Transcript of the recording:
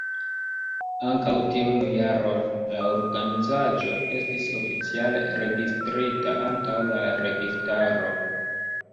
Ankaŭ tiun jaron la organizaĵo estis oficiale registrita antaŭ la registaro.